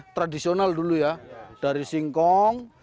tradisional dulu ya dari singkong